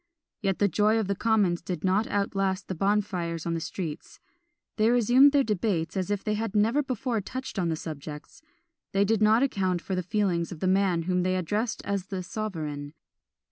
Yet the joy of the commons did not outlast the bonfires in the streets; they resumed their debates as if they had never before touched on the subjects: they did not account for the feelings of the man whom they addressed as the sovereign.